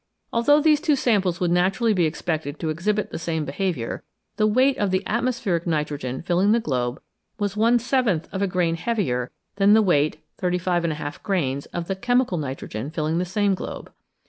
Although these two samples would naturally be expected to exhibit the same behaviour, the weight of the "atmospheric" nitrogen filling the globe was one seventh of a grain heavier than the weight (35J grains) of the " chemical " nitrogen filling the same globe.